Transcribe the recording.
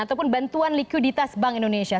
ataupun bantuan likuiditas bank indonesia